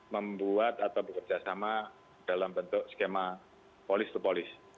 membuat atau bekerjasama dalam bentuk skema polis to polis